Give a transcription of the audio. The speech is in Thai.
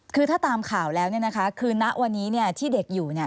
คือถ้าตามข่าวแล้วคือณวันนี้ที่เด็กอยู่